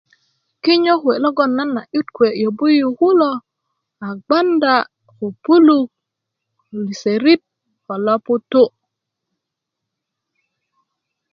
kinyo kuwe loŋ na a 'yut kuwe yobu yu kulo a gbadá ko puluk liserit ko loputú